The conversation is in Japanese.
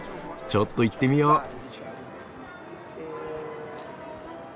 ちょっと行ってみよう。